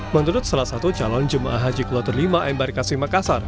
menurut salah satu calon jemaah haji kloter v m b k makassar